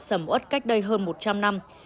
sầm uất cách đây hơn một trăm linh năm